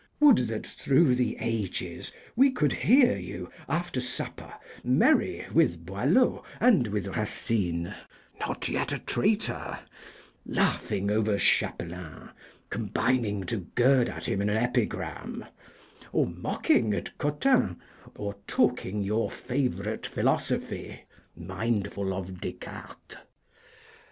Would that, through the ages, we could hear you after supper, merry with Boileau, and with Racine, not yet a traitor, laughing over Chapelain, combining to gird at him in an epigram, or mocking at Cotin, or talking your favourite philosophy, mindful of Descartes.